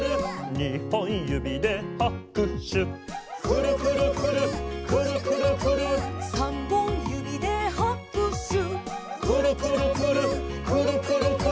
「にほんゆびではくしゅ」「くるくるくるっくるくるくるっ」「さんぼんゆびではくしゅ」「くるくるくるっくるくるくるっ」